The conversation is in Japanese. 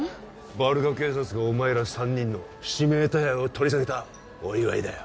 バルカ警察がお前ら３人の指名手配を取り下げたお祝いだよ